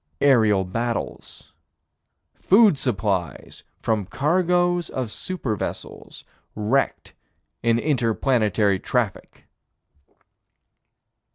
Aerial battles. Food supplies from cargoes of super vessels, wrecked in inter planetary traffic.